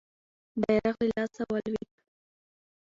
بیرغ له لاسه ولوېد.